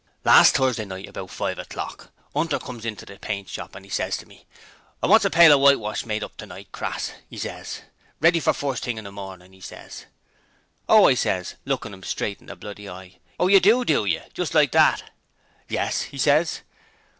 'Last Thursday night about five o'clock, 'Unter comes inter the paint shop an' ses to me, "I wants a pail o' wash made up tonight, Crass," 'e ses, "ready for fust thing in the mornin'," 'e ses. "Oh," I ses, lookin' 'im straight in the bloody eye, "Oh, yer do, do yer?" just like that. "Yes," 'e ses.